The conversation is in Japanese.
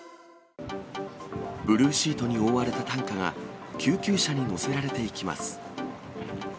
ブルーシートに覆われた担架が救急車に載せられていきます。